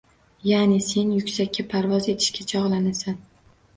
Ya’ni sen yuksakka parvoz etishga chog‘lanasan